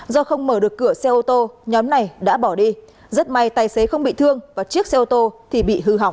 do không mở được cửa xe ô tô nhóm này đã bỏ đi rất may tài xế không bị thương và chiếc xe ô tô thì bị hư hỏng